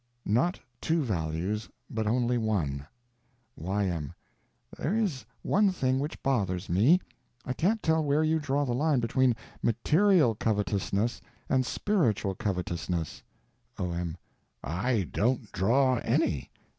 Not Two Values, But Only One Y.M. There is one thing which bothers me: I can't tell where you draw the line between _material _covetousness and _spiritual _covetousness. O.M. I don't draw any.